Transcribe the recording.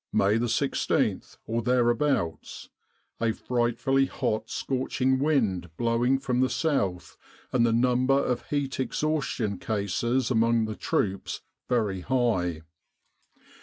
"May 16, or thereabouts. A frightfully hot scorching wind blowing from the south, and the number of heat exhaustion cases among the troops very high.